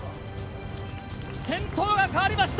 先頭がかわりました。